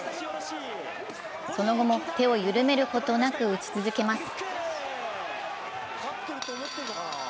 その後も手を緩めることなく打ち続けます。